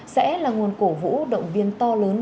sẽ là nguồn cổ vũ động viên to lớn